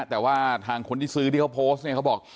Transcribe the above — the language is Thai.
แต่ว่าทางคนที่ซื้อที่เขาโพสต์เนี่ยเขาบอก